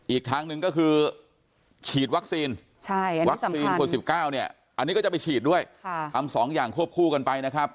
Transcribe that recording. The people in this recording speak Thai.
อีกทางหนึ่งก็คือฉีดวัคซีนวัคซีนคน๑๙เนี่ยอันนี้ก็จะไปฉีดด้วยทำ๒อย่างควบคู่กันไปนะครับ